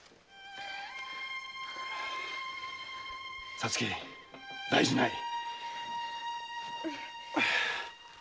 皐月大事ない。